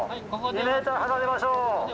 ２ｍ離れましょう！